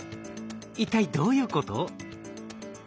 一体どういうこと？